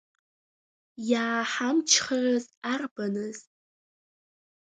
Иааҳамчҳарыз арбаныз!